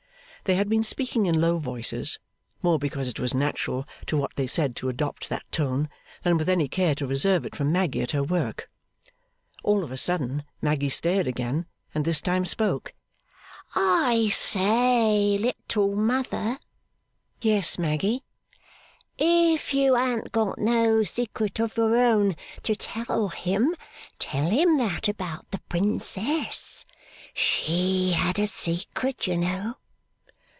They had been speaking in low voices; more because it was natural to what they said to adopt that tone, than with any care to reserve it from Maggy at her work. All of a sudden Maggy stared again, and this time spoke: 'I say! Little Mother!' 'Yes, Maggy.' 'If you an't got no secret of your own to tell him, tell him that about the Princess. She had a secret, you know.